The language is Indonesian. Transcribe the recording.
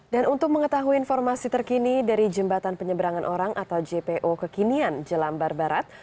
dan untuk mengetahui informasi terkini dari jembatan penyeberangan orang atau jpo kekinian jelambar barat